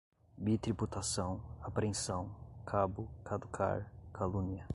bitributação, apreensão, cabo, caducar, calúnia